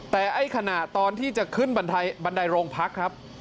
แต่ไอ้ขณะตอนที่จะขึ้นบันไดโรงพักครับ